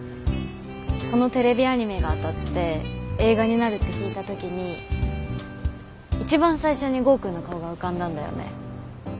このテレビアニメが当たって映画になるって聞いた時に一番最初に剛くんの顔が浮かんだんだよね。